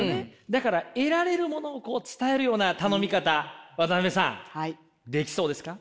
だから得られるものをこう伝えるような頼み方渡辺さんできそうですか？